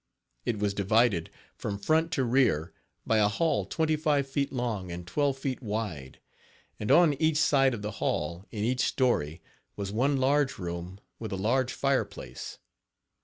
It was divided, from front to rear, by a hall twenty five feet long and twelve feet wide, and on each side of the hall, in each story, was one large room with a large fire place.